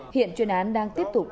hiện chuyên án đang tiếp tục